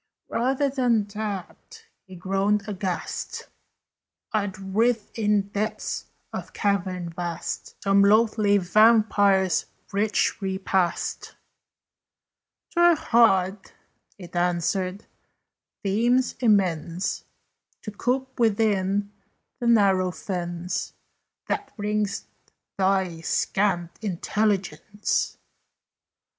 "Rather than that," he groaned aghast, "I'd writhe in depths of cavern vast, Some loathly vampire's rich repast." [Illustration: "HE GROANED AGHAST"] "'Twere hard," it answered, "themes immense To coop within the narrow fence That rings thy scant intelligence."